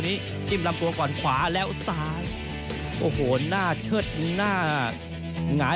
จิ้มลำตัวก่อนขวาแล้วซ้ายโอ้โหหน้าเชิดหน้าหงาย